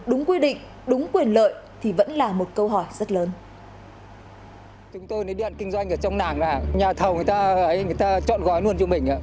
đúng quy định đúng quyền lợi thì vẫn là một câu hỏi rất lớn